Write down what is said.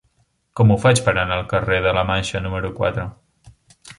Com ho faig per anar al carrer de la Manxa número quatre?